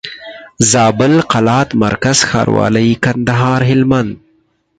زابل قلات مرکز ښاروالي کندهار هلمند